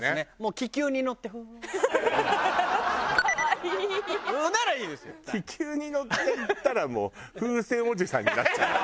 気球に乗って行ったらもう風船おじさんになっちゃう。